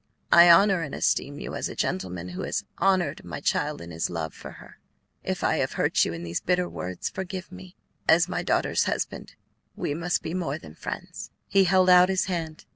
I honor and esteem you as a gentleman who has honored my child in his love for her. If I have hurt you in these bitter words, forgive me; as my daughter's husband, we must be more than friends." He held out his hand.